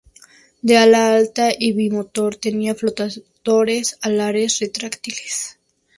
De ala alta y bimotor, tenía flotadores alares retráctiles.